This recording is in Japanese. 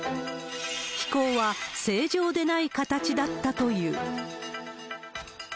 飛行は正常でない形だったという。